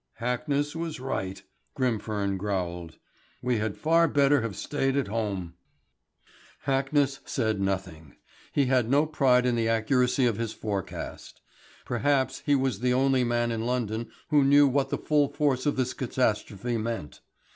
"Hackness was right," Grimfern growled. "We had far better have stayed at home." Hackness said nothing. He had no pride in the accuracy of his forecast. Perhaps he was the only man in London who knew what the full force of this catastrophe meant.